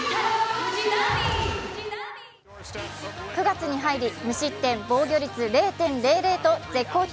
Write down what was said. ９月に入り、無失点、防御率０．００と絶好調